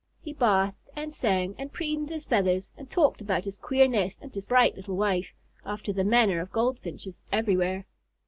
He bathed and sang and preened his feathers and talked about his queer nest and his bright little wife, after the manner of Goldfinches everywhere.